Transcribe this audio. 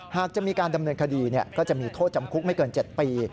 หากจะมีการดำเนินคดีก็จะมีโทษจำคุกไม่เกิน๗ปี